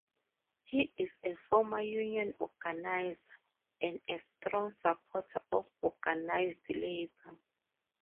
He is a former union organizer, and a strong supporter of organized labor.